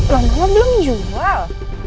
wah mama belum jual